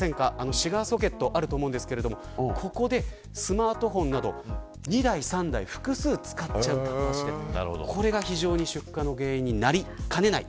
シガーソケットがあると思いますがここでスマートフォンなど２台３台複数使っちゃってしまったらこれが出火の原因になりかねない。